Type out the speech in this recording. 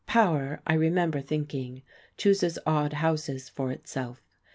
Power, I remember thinking, chooses odd houses for itself.